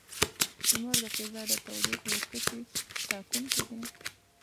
• لمر د فضا د تودوخې او کچې ټاکونکی دی.